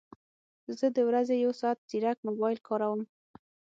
زه د ورځې یو ساعت ځیرک موبایل کاروم